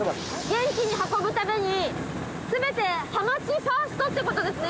元気に運ぶために全てはまちファーストってことですね。